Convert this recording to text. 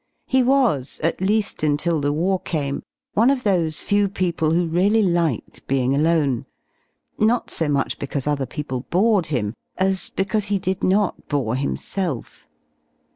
He was, at leaii until^ the war came, one of those few people who r eally liked being alone, not so much because other people bored him, as becauseJieHid not b ore himself